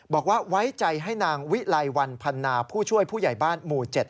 บอกว่าไว้ใจให้นางวิไลวันพันนาผู้ช่วยผู้ใหญ่บ้านหมู่๗